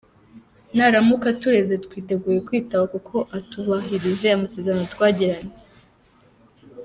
Naramuka atureze twiteguye kwitaba kuko atubahirije amasezerano twagiranye.